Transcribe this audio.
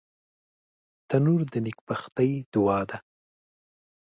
تنور د نیکبختۍ دعا ده